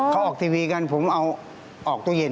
เขาออกทีวีกันผมเอาออกตู้เย็น